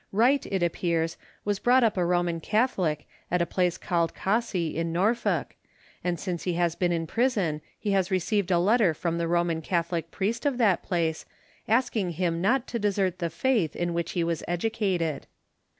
Wright, it appears, was brought up a Roman Catholic at a place called Cossey, in Norfolk, and since he has been in prison he has received a letter from the Roman Catholic priest of that place, asking him not to desert the faith in which he was educated.